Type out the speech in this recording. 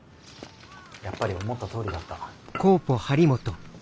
やっぱり思ったとおりだった。